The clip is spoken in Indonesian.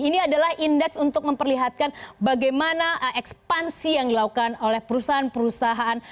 ini adalah indeks untuk memperlihatkan bagaimana ekspansi yang dilakukan oleh perusahaan perusahaan